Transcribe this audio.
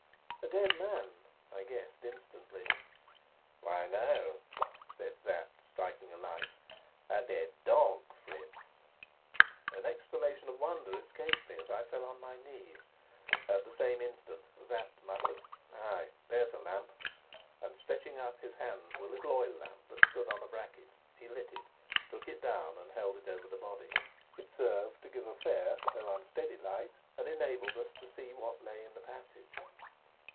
"A dead man?" I guessed instantly. "Why, no," said Sapt, striking a light: "a dead dog, Fritz." An exclamation of wonder escaped me as I fell on my knees. At the same instant Sapt muttered, "Ay, there's a lamp," and, stretching up his hand to a little oil lamp that stood on a bracket, he lit it, took it down, and held it over the body. It served to give a fair, though unsteady, light, and enabled us to see what lay in the passage.